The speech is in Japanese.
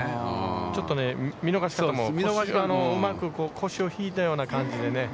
ちょっと見逃し方もうまく、腰を引いたような感じでね。